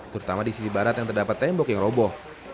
terutama di sisi barat yang terdapat tembok yang roboh